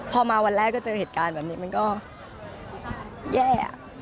พอมาวันแรกก็เจอเหตุการณ์แบบนี้มันก็แย่